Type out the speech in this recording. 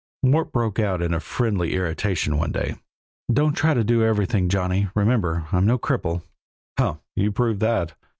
Mort broke out in friendly irritation one day: "Don't try to do everything, Johnny. Remember I'm no cripple." "Humph! You proved that.